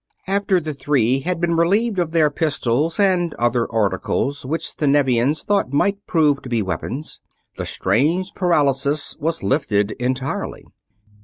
After the three had been relieved of their pistols and other articles which the Nevians thought might prove to be weapons, the strange paralysis was lifted entirely.